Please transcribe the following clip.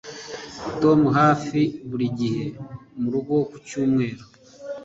Tom hafi buri gihe murugo ku cyumweru